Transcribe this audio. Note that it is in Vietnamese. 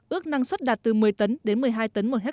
ước năng suất đạt từ một mươi tấn đến một mươi hai tấn một hectare